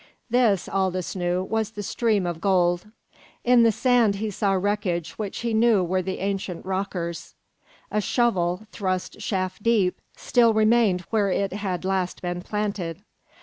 This, Aldous knew, was the stream of gold. In the sand he saw wreckage which he knew were the ancient rockers; a shovel, thrust shaft deep, still remained where it had last been planted.